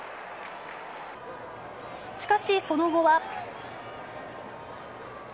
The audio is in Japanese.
しかし、その後は。